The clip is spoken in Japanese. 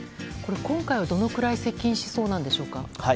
今回は、どのくらい接近しそうなんでしょうか。